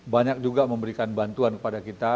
banyak juga memberikan bantuan kepada kita